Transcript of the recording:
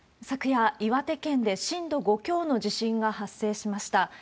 昨夜、岩手県で震度５強の地震が発生しました。